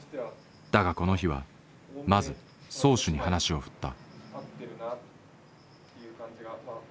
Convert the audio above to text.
だがこの日はまず漕手に話を振った。